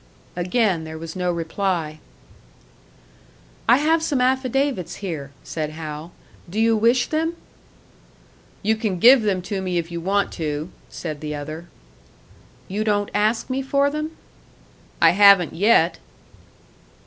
Again there was no reply. "I have some affidavits here," said Hal. "Do you wish them?" "You can give them to me if you want to," said the other. "You don't ask me for them?" "I haven't yet."